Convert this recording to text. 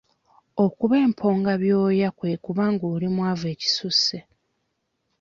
Okuba emponga byooya kwe kuba nga oli mwavu ekisusse.